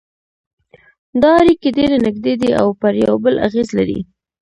دا اړیکې ډېرې نږدې دي او پر یو بل اغېز لري